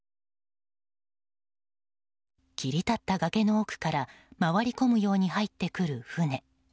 切り立った崖の奥から回り込むように入ってくる船。